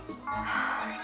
syukurlah kalau gitu